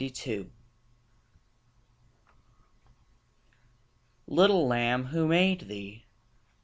THE LAMB Little lamb, who made thee?